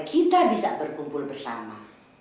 kita bisa berkumpul bersama